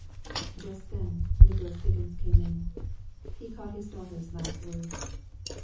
Just then, Nicholas Higgins came in. He caught his daughter's last words.